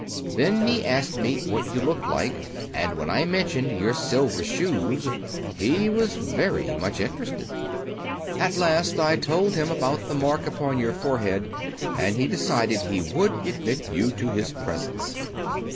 Then he asked me what you looked like, and when I mentioned your silver shoes he was very much interested. At last I told him about the mark upon your forehead, and he decided he would admit you to his presence."